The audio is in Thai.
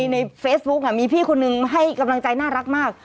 ในเฟซบุ๊กมีพี่คนนึงให้กำลังใจน่ารักมาก